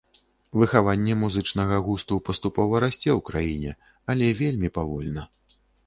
Выхаванне музычнага густу паступова расце ў краіне, але вельмі павольна.